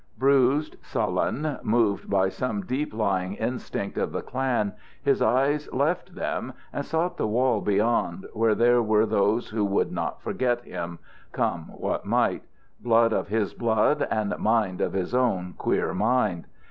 Bruised, sullen, moved by some deep lying instinct of the clan, his eyes left them and sought the wall beyond, where there were those who would not forget him, come what might, blood of his blood and mind of his own queer mind.